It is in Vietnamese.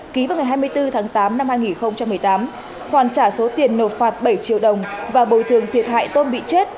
ký vào ngày hai mươi bốn tháng tám năm hai nghìn một mươi tám hoàn trả số tiền nộp phạt bảy triệu đồng và bồi thường thiệt hại tôm bị chết